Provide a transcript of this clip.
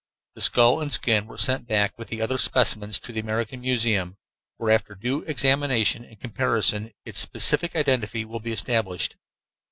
The skull and skin were sent back with the other specimens to the American Museum, where after due examination and comparison its specific identify will be established.